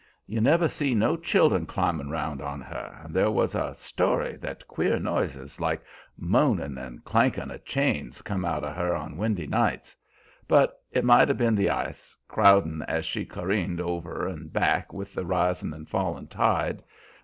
You never see no child'n climbin' 'round on her, and there was a story that queer noises like moanin' and clankin' of chains come out of her on windy nights; but it might 'a' been the ice, crowdin' as she careened over and back with the risin' and fallin' tide.